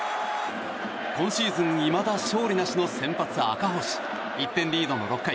今シーズンいまだ勝利なしの先発、赤星１点リードの６回。